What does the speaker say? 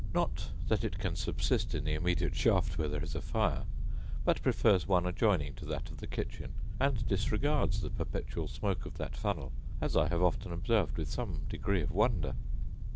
Not that it can subsist in the immediate shaft where there is a fire; but prefers one adjoining to that of the kitchen, and disregards the perpetual smoke of that funnel, as I have often observed with some degree of wonder.